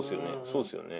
そうですよね。